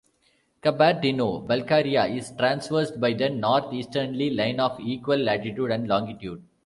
Kabardino-Balkaria is traversed by the northeasterly line of equal latitude and longitude.